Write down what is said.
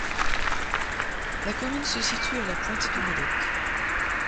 La commune se situe à la pointe du Médoc.